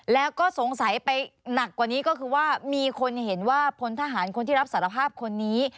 แล้วก็สงสัยไปหนักกว่านี้ก็คือว่ามีคนเห็นว่าพลทหารคนที่รับสารภาพคนนี้